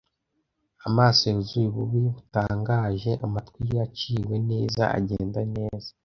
Amaso yuzuye ububi butangaje, amatwi yaciwe neza, agenda neza.